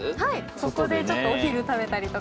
そこでちょっとお昼を食べたりとか。